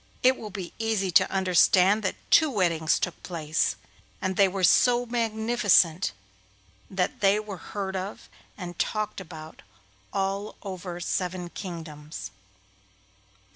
It will be easy to understand that two weddings took place, and they were so magnificent that they were heard of and talked about all over seven kingdoms.